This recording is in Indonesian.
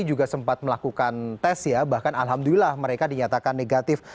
juga sempat melakukan tes ya bahkan alhamdulillah mereka dinyatakan negatif